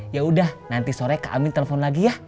yaudah nanti sore kaka amin telepon lagi ya